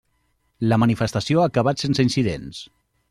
La manifestació ha acabat sense incidents.